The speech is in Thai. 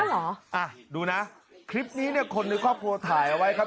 อ่ะดูนะคลิปนี้คนในครอบครัวถ่ายเอาไว้ครับ